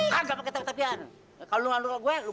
gak gak pake tepi tepian kalau lu gak nunggu gue